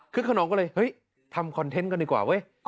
คนขนองก็เลยเฮ้ยทำคอนเทนต์กันดีกว่าเว้ย